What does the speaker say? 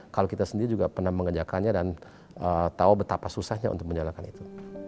kalau kita sendiri juga pernah mengerjakannya dan tahu betapa susahnya untuk menjalankan itu